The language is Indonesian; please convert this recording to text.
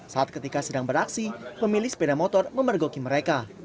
saat ketika sedang beraksi pemilih sepeda motor memergoki mereka